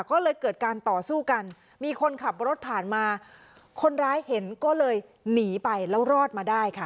ก็เลยเกิดการต่อสู้กันมีคนขับรถผ่านมาคนร้ายเห็นก็เลยหนีไปแล้วรอดมาได้ค่ะ